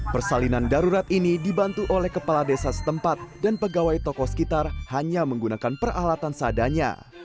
persalinan darurat ini dibantu oleh kepala desa setempat dan pegawai toko sekitar hanya menggunakan peralatan sadanya